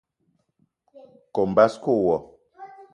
Kome basko wo.